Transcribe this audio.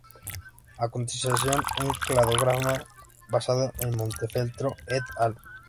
A continuación un cladograma basado en Montefeltro "et al.